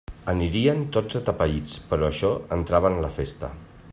Anirien tots atapeïts, però això entrava en la festa.